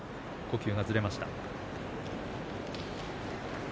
呼吸がずれました。